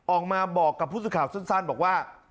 ออกมาบอกกับผู้สื่อข่าวสั้นบอกว่า